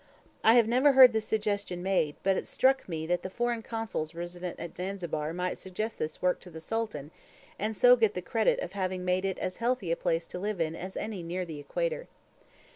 I have never heard this suggestion made, but it struck me that the foreign consuls resident at Zanzibar might suggest this work to the Sultan, and so get the credit of having made it as healthy a place to live in as any near the equator.